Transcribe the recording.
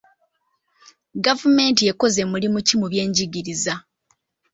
Gavumenti ekoze mulimu ki mu byenjigiriza?